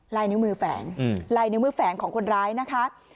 ลายนิ้วมือแฝงลายนิ้วมือแฝงของคนร้ายนะคะ